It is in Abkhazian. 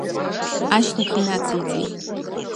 Ашьҭахь инациҵеит…